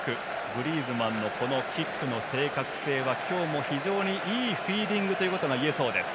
グリーズマンのキックの正確性は今日も非常にいいフィーリングということが言えそうです。